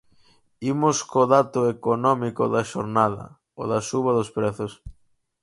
Imos co dato económico da xornada: o da suba dos prezos.